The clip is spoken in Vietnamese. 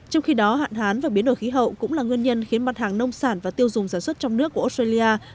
trong khi đó hạn hán và biến đổi khí hậu cũng là nguyên nhân khiến mặt hàng nông sản và tiêu dùng sản xuất trong nước của australia